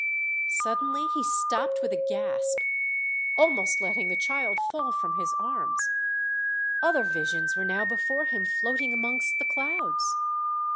Suddenly he stopped with a gasp, almost letting the child fall from his arms; other visions were now before him floating amongst the clouds.